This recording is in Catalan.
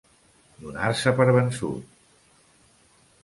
Donar-se per vençut.